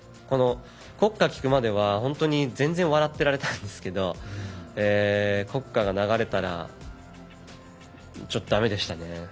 国歌を聞くまでは本当に全然笑ってられたんですけど国歌が流れたらちょっとだめでしたね。